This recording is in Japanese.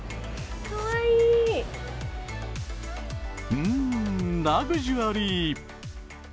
うーん、ラグジュアリー。